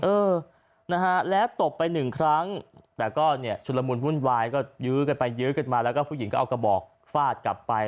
เออนะฮะแล้วตบไปหนึ่งครั้งแต่ก็เนี่ยชุดละมุนวุ่นวายก็ยื้อกันไปยื้อกันมาแล้วก็ผู้หญิงก็เอากระบอกฟาดกลับไป